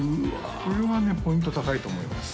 これはねポイント高いと思います